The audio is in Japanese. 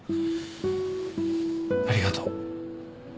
ありがとう。